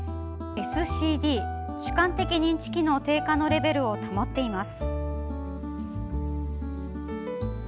ＳＣＤ＝主観的認知機能低下のレベルを保っています。